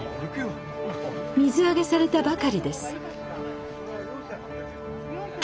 水揚げされたばかりです。